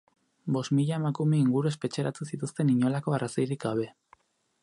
Bost mila emakume inguru espetxeratu zituzten inolako arrazoirik gabe.